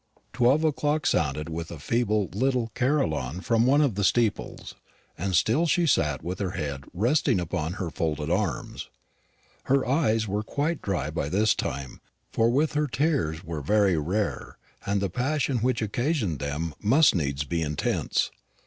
Twelve o'clock sounded with a feeble little carillon from one of the steeples, and still she sat with her head resting upon her folded arms. Her eyes were quite dry by this time, for with her tears were very rare, and the passion which occasioned them must needs be intense.